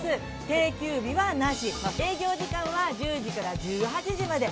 定休日はなし、営業時間は１０時から１８時まで。